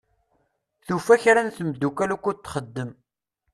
Tufa kra n temddukal ukkud txeddem.